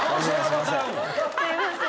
すいません。